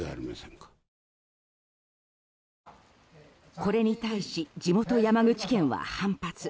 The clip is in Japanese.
これに対し地元、山口県は反発。